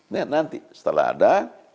nanti setelah ada